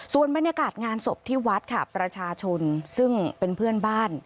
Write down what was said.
ส่วนบรรยากาศงานศพที่วัดค่ะประชาชนซึ่งเป็นเพื่อนบ้าน